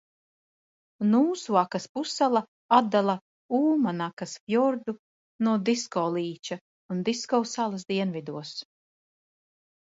Nūsuakas pussala atdala Ūmannakas fjordu no Disko līča un Disko salas dienvidos.